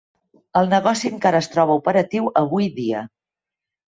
El negoci encara es troba operatiu avui dia.